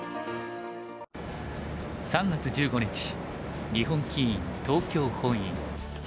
３月１５日日本棋院東京本院。